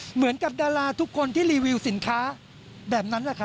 เหมือนกับดาราทุกคนที่รีวิวสินค้า